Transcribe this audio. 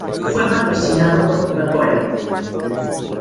Fue patrocinado por Coca-Cola.